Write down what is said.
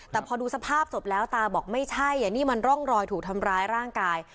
แต่พอดูสภาพศพแล้วตาบอกไม่ใช่นี่มันร่องรอยถูกทำร้ายร่างกาย